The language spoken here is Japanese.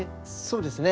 そうですねあの。